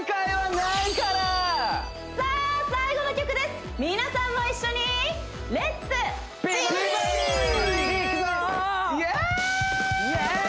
さあ最後の曲です皆さんも一緒にいくぞイエーイ！